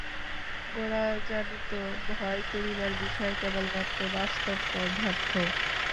গোরা জানিত, ভয় করিবার বিষয় কেবলমাত্র বাস্তব পদার্থ।